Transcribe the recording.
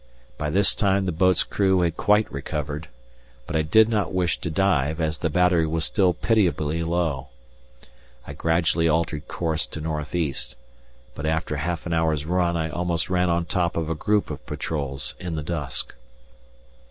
By this time the boat's crew had quite recovered, but I did not wish to dive, as the battery was still pitiably low. I gradually altered course to north east, but after half an hour's run I almost ran on top of a group of patrols in the dusk.